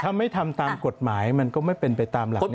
ถ้าไม่ทำตามกฎหมายมันก็ไม่เป็นไปตามหลัก